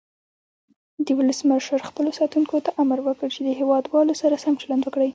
ولسمشر خپلو ساتونکو ته امر وکړ چې د هیواد والو سره سم چلند وکړي.